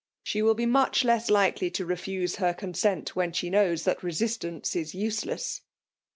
She will be much less likely to refuse her con s6tit^ when she knows that resistance is use less